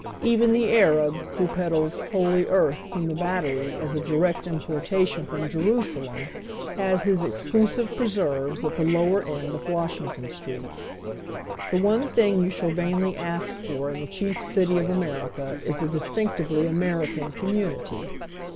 Even the Arab, who peddles " holy earth " from the Battery as a direct importa tion from Jerusalem, Las his exclusive preserves at the lower end of Washington Street. The one thing you shall vainly ask for in the chief city of America is a distinctive ly American community.